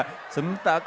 kan belum ditanya